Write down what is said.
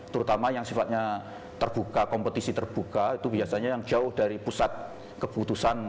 terutama yang sifatnya terbuka kompetisi terbuka itu biasanya yang jauh dari pusat keputusan